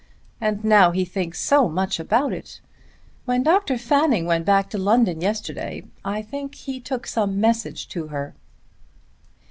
And now he thinks so much about it. When Dr. Fanning went back to London yesterday I think he took some message to her."